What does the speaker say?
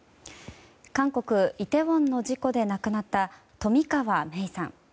韓国イテウォンの事故で亡くなった冨川芽生さん。